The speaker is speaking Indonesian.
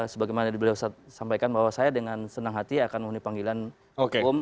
sebagaimana beliau sampaikan bahwa saya dengan senang hati akan memenuhi panggilan hukum